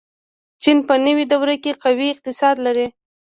چین په نوې دور کې قوي اقتصاد لري.